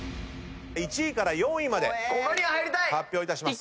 １位から４位まで発表します。